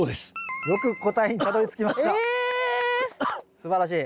すばらしい。